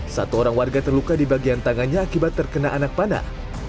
satu orang warga terluka di bagian tangannya akibat terkena anak panah